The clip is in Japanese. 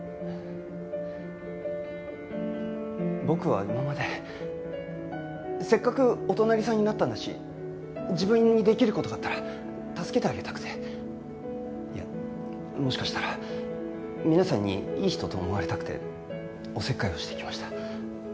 僕は今までせっかくお隣さんになったんだし自分にできる事があったら助けてあげたくていやもしかしたら皆さんにいい人と思われたくておせっかいをしてきました。